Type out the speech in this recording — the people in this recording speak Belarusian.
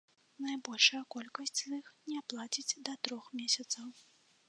Найбольшая колькасць з іх не плацяць да трох месяцаў.